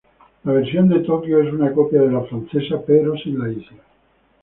La versión de Tokio es una copia de la francesa pero sin la isla.